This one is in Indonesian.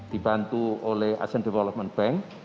dibantu oleh asean development bank